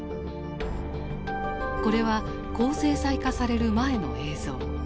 これは高精細化される前の映像。